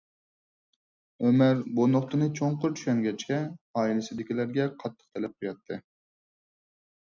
ئۆمەر بۇ نۇقتىنى چوڭقۇر چۈشەنگەچكە، ئائىلىسىدىكىلەرگە قاتتىق تەلەپ قوياتتى.